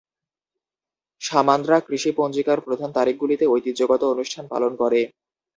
শামানরা কৃষি পঞ্জিকার প্রধান তারিখগুলিতে ঐতিহ্যগত অনুষ্ঠান পালন করে।